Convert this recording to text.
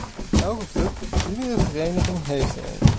Elke club, iedere vereniging heeft er een.